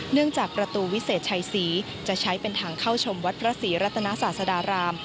จากประตูวิเศษชัยศรีจะใช้เป็นทางเข้าชมวัดพระศรีรัตนาศาสดาราม